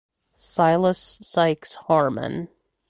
Silas Sykes Harmon.